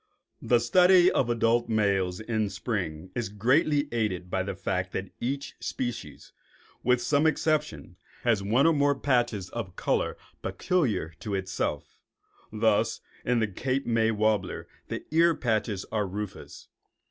The study of adult males in spring is greatly aided by the fact that each species, with some exceptions, has one or more patches of color peculiar to itself. Thus in the Cape May warbler the ear patches are rufous.